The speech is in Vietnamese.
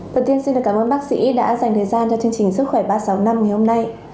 đầu tiên xin cảm ơn bác sĩ đã dành thời gian cho chương trình sức khỏe ba trăm sáu mươi năm ngày hôm nay